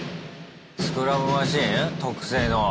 スクラムマシン？特製の。